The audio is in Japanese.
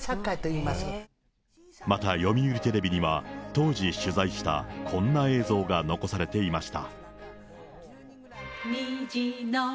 また読売テレビには、当時取材したこんな映像が残されていました。